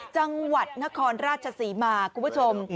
จังหวัดนครราชศรีมาคุณผู้ชม